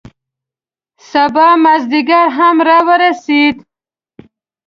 سبا مازدیګر هم را ورسید.